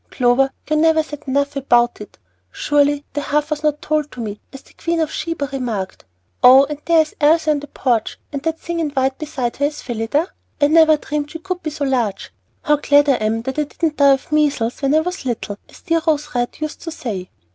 Clover, you never said enough about it! Surely the half was not told me, as the Queen of Sheba remarked! Oh, and there is Elsie on the porch, and that thing in white beside her is Phillida! I never dreamed she could be so large! How glad I am that I didn't die of measles when I was little, as dear Rose Red used to say."